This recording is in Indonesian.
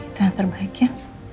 itu yang terbaik ya